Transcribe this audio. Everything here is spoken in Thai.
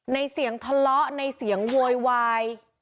ในเสียงทะเลาะในเสียงววยไหว